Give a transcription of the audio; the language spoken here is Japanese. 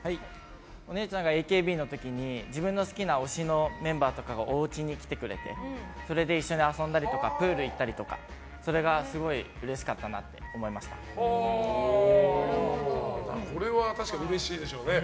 お姉ちゃんがＡＫＢの時に自分の推しのメンバーがおうちに来てくれてそれで一緒に遊んだりとかプール行ったりとかそれがすごいうれしかったなとこれは確かにうれしいでしょうね。